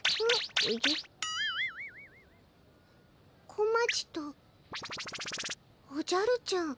小町とおじゃるちゃん。